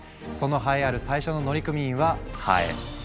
その栄えある最初の乗組員はハエ。